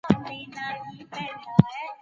ماشومان یوازې پر سړک مه پریږدئ.